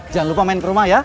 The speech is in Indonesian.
jangan lupa main ke rumah ya